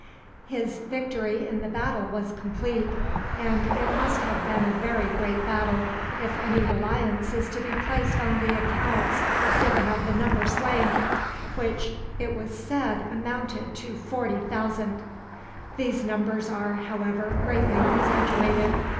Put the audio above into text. His victory in the battle was complete; and it must have been a very great battle, if any reliance is to be placed on the accounts given of the number slain, which it was said amounted to forty thousand. These numbers are, however, greatly exaggerated.